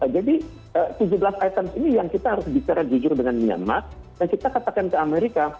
jadi tujuh belas item ini yang kita harus bicara jujur dengan myanmar dan kita katakan ke amerika